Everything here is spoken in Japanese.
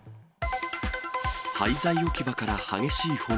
廃材置き場から激しい炎。